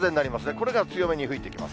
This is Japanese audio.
これが強めに吹いてきます。